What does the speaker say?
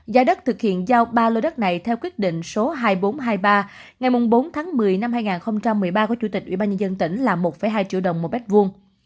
giá đất thực hiện giao ba lô đất này theo quyết định số hai nghìn bốn trăm hai mươi ba ngày bốn tháng một mươi năm hai nghìn một mươi ba của chủ tịch ủy ban nhân dân tỉnh là một hai triệu đồng một mét vuông